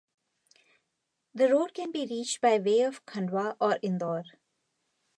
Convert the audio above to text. The road can be reached by way of Khandwa or Indore.